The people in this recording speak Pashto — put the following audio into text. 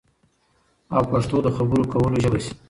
او پښتو د خبرو کولو ژبه شي